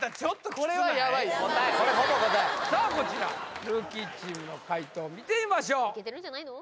これはさあこちらルーキーチームの解答見てみましょういけてるんじゃないの？